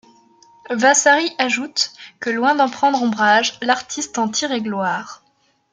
Vasari ajoute, que loin d'en prendre ombrage, l'artiste en tirait gloire.